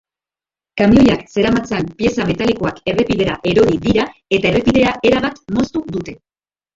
Kamioiak zeramatzan pieza metalikoak errepidera erori dira eta errepidea erabat moztu dute.